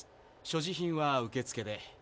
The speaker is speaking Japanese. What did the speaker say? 所持品は受付で。